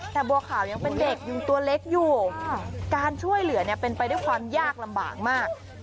แต่บัวขาวยังเป็นเด็กยังตัวเล็กอยู่การช่วยเหลือเนี่ยเป็นไปด้วยความยากลำบากมาก